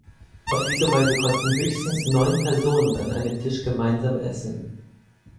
Auf diese Weise konnten höchstens neun Personen an einem Tisch gemeinsam essen.